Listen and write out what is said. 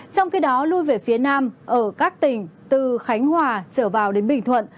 trong khi đó lui về phía nam ở các tỉnh từ khánh hòa trở vào đến bình thuận